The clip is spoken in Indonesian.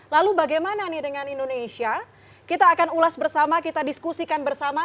lalu bagaimana nih dengan indonesia kita akan ulas bersama kita diskusikan bersama